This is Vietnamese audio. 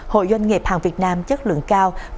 hội doanh nghiệp hàng việt nam chất lượng cao